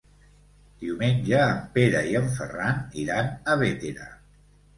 Diumenge en Pere i en Ferran iran a Bétera.